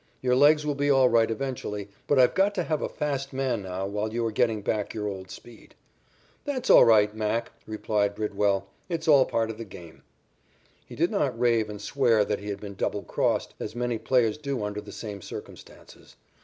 Your legs will be all right eventually, but I've got to have a fast man now while you are getting back your old speed." "That's all right, 'Mac,'" replied Bridwell. "It's all part of the game." He did not rave and swear that he had been double crossed, as many players do under the same circumstances.